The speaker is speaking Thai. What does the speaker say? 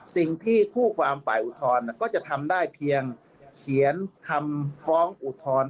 สิ่งที่คู่ความฝ่ายอุทธรณ์ก็จะทำได้เพียงเขียนคำฟ้องอุทธรณ์